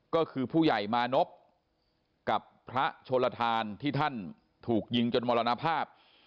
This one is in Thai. ก็คือผู้ใหญ่มานพกับพระโชลทานที่ท่านถูกยิงจนมรณภาพ